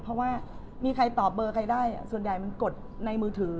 เพราะว่ามีใครตอบเบอร์ใครได้ส่วนใหญ่มันกดในมือถือ